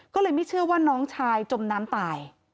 ก็เลยไม่เชื่อว่าน้องชายจมน้ำตาย